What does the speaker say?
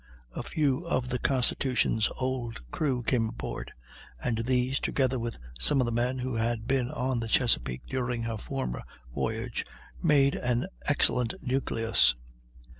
A few of the Constitution's old crew came aboard, and these, together with some of the men who had been on the Chesapeake during her former voyage, made an excellent nucleus.